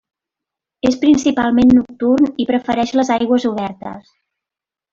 És principalment nocturn i prefereix les aigües obertes.